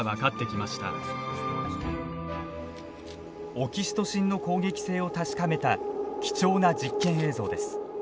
オキシトシンの攻撃性を確かめた貴重な実験映像です。